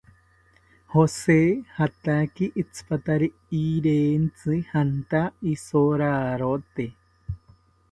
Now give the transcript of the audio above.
Jose jataki itsipatari rirentzi janta isorarote